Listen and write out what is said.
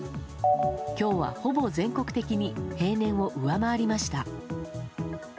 今日は、ほぼ全国的に平年を上回りました。